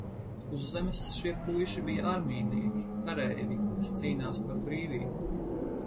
Uz Zemes šie puiši bija armijnieki, kareivji, kas cīnās par brīvību.